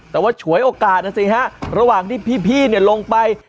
แต่ว่าฉวยโอกาสนะสิฮะระหว่างที่พี่ลงไป